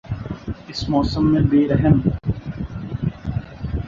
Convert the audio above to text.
اس موسم میں بے رحم